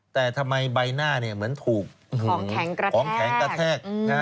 แต่ทำไมใบหน้าเหมือนถูกของแข็งกระแทก